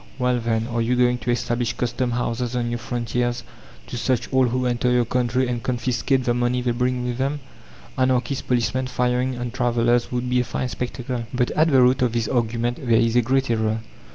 Well, then are you going to establish custom houses on your frontiers to search all who enter your country and confiscate the money they bring with them? Anarchist policemen firing on travellers would be a fine spectacle!" But at the root of this argument there is a great error.